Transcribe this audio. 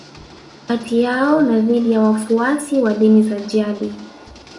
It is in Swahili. Kati yao na dhidi ya wafuasi wa dini za jadi